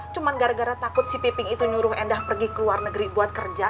cuma gara gara takut si piping itu nyuruh endah pergi ke luar negeri buat kerja